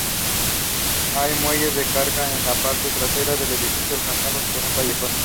Hay muelles de carga en la parte trasera del edificio, alcanzados por un callejón.